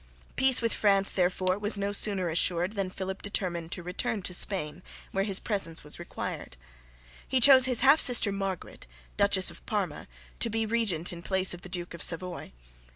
Peace with France therefore was no sooner assured than Philip determined to return to Spain, where his presence was required. He chose his half sister Margaret, Duchess of Parma, to be regent in place of the Duke of Savoy.